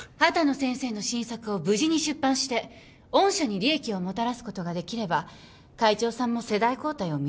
秦野先生の新作を無事に出版して御社に利益をもたらすことができれば会長さんも世代交代を認めざるを得ないのでは？